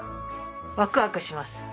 ワクワクします。